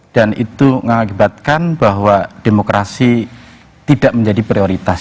dan itu mengakibatkan bahwa demokrasi tidak menjadi prioritas